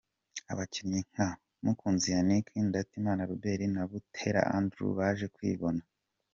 Abakinnyi nka Mukunzi Yannick, Ndatimana Robert na Buteera Andrew baje kwibona.